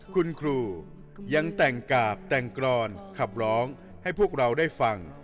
คุณครูยังแต่งกาบแต่งกรอนขับร้องให้พวกเราได้ฟัง